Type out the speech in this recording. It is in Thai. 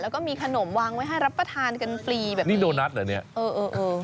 แล้วก็มีขนมวางไว้ให้รับประทานกันฟรีนี่โดนัสเหรอเนี้ยอืม